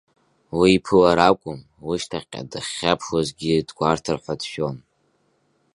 Уи иԥылара акәым, лышьҭахьҟа дахьхьаԥшуазгьы дгәарҭар ҳәа дшәон.